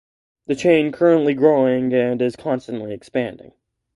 The chain currently growing and is constantly expanding.